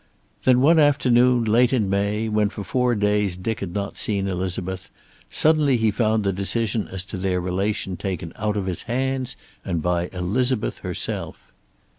Then, one afternoon late in May, when for four days Dick had not seen Elizabeth, suddenly he found the decision as to their relation taken out of his hands, and by Elizabeth herself.